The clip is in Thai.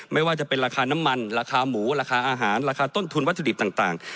ไม่ว่าจะเป็นราคาน้ำมันราคาหมูราคาอาหารราคาต้นทุนวัตถุดิบต่าง